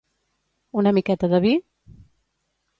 Una miqueta de vi?